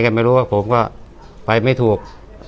ก็ไม่รู้ว่าผมก็ไปไม่ถูก